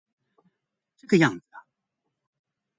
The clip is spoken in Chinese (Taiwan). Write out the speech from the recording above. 這個樣子